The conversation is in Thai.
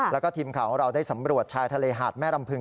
แล้วก็ทีมข่าวของเราได้สำรวจชายทะเลหาดแม่รำพึง